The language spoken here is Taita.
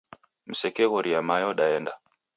Msekeghoria mayo daenda.